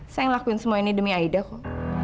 saya yang lakuin semua ini demi aida kok